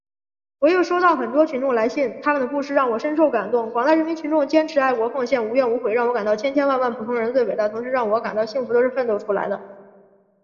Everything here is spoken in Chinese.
我又收到很多群众来信……他们的故事让我深受感动。广大人民群众坚持爱国奉献，无怨无悔，让我感到千千万万普通人最伟大，同时让我感到幸福都是奋斗出来的。